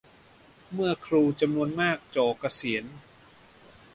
เมื่อครูจำนวนมากจ่อเกษียณ